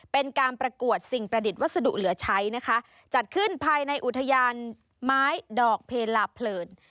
เป็นการประกวดสิ่งประดิษฐ์วัสดุเหลือใช้นะคะจัดขึ้นภายในอุทยานไม้ดอกเพลาเพลิน